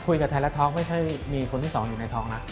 คุยกับแทลล่ะทอล์กไม่ใช่มีคนที่สองอยู่ในท้องนะ